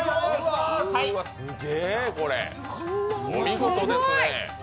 お見事ですね。